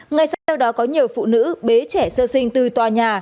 ngay sau đó có nhiều phụ nữ bế trẻ sơ sinh từ tòa nhà